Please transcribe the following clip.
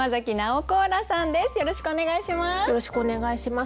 よろしくお願いします。